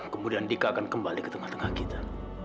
kemudian dika akan kembali ke tengah tengah kita